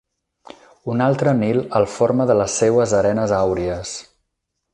Un altre Nil el forma de les seues arenes àuries.